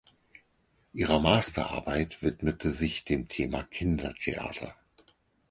Ihre Masterarbeit widmete sich dem Thema Kindertheater.